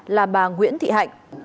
là bà nguyễn thị hạnh